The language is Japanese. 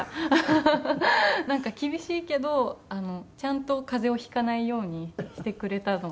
なんか厳しいけどちゃんと風邪を引かないようにしてくれたのが。